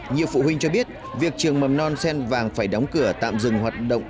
nhiều phụ huynh cho biết việc trường mầm non sen vàng phải đóng cửa tạm dừng hoạt động